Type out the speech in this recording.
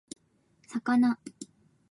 魚